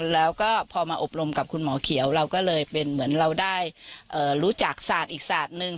แล้วก็พอมาอบรมกับคุณหมอเขียวเราก็เลยเป็นเหมือนเราได้รู้จักศาสตร์อีกศาสตร์หนึ่ง